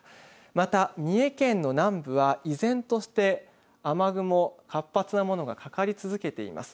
また三重県の南部は依然として雨雲、活発なものがかかり続けています。